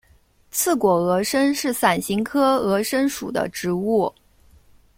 刺果峨参是伞形科峨参属的植物。